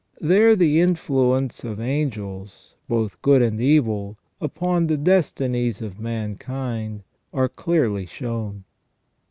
There the influence of the angels, both good and evil, upon the destinies of mankind are clearly shown.